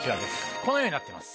このようになってます。